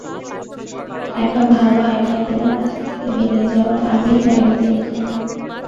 একটা ভালো আইডিয়া পেলে, মাথা থেকে বেরিয়ে যাওয়ার আগেই ডায়েরিতে লিখে নিই।